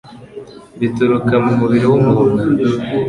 bituruka mu mubiri w'umuntu?